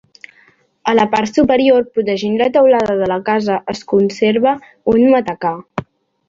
A la part superior, protegint la teulada de la casa, es conserva un matacà.